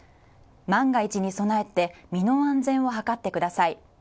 万が一に備えて身の安全を図ってください。